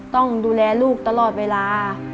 ต้องดูแลลูกตลอดเวลา